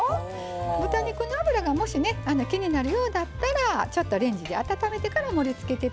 豚肉の脂がもしね気になるようだったらちょっとレンジで温めてから盛りつけて頂くといいと思います。